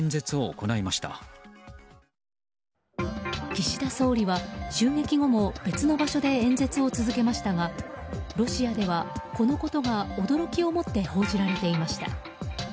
岸田総理は襲撃後も別の場所で演説を続けましたがロシアでは、このことが驚きを持って報じられていました。